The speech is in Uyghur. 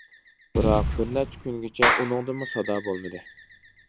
بىراق بىرنەچچە كۈنگىچە ئۇنىڭدىنمۇ سادا بولمىدى.